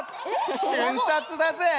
瞬殺だぜ！